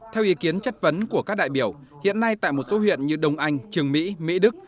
theo ý kiến chất vấn của các đại biểu hiện nay tại một số huyện như đông anh trường mỹ mỹ đức